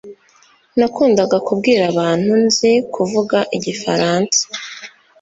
Nakundaga kubwira abantu nzi kuvuga igifaransa